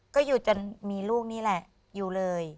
ก็อยู่จนมีลูกนี่แหละอยู่เลย